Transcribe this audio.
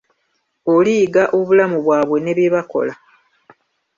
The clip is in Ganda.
Oliyiga obulamu bwabwe ne bye bakola.